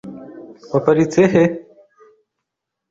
Waparitse he?